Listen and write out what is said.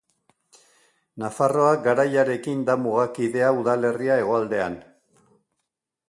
Nafarroa Garaiarekin da mugakidea udalerria hegoaldean.